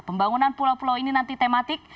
pembangunan pulau pulau ini nanti tematik